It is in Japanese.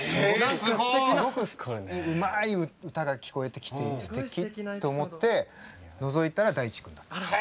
すごくうまい歌が聞こえてきてすてきと思ってのぞいたら大知君だった。